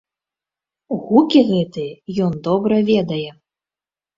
Гукі гэтыя ён добра ведае!